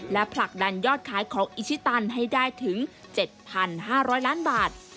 และผลักดันยอดขายของอิชิตันให้ได้ถึง๗๕๐๐ล้านบาท